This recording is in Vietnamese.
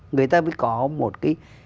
người ta mới có một cái